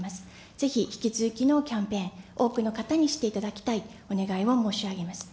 ぜひ引き続きのキャンペーン、多くの方に知っていただきたい、お願いを申し上げます。